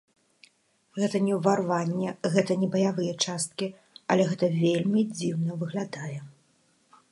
Гэта не ўварванне, гэта не баявыя часткі, але гэта вельмі дзіўна выглядае.